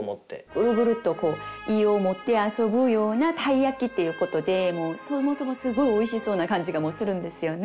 「グルグルと胃をもてあそぶようなたい焼き」っていうことでそもそもすごいおいしそうな感じがするんですよね。